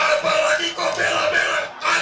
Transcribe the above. apalagi kau bela bela anjeng anjeng